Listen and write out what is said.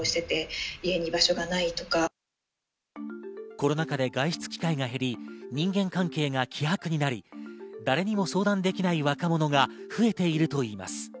コロナ禍で外出機会が減り人間関係が希薄になり、誰にも相談できない若者が増えているといいます。